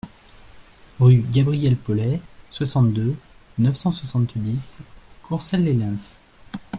Rue Gabriel Pollet, soixante-deux, neuf cent soixante-dix Courcelles-lès-Lens